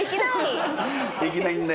できないんだよ。